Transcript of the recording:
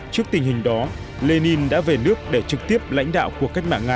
trước tình hình đó lenin đã về nước để trực tiếp lãnh đạo cuộc cách mạng nga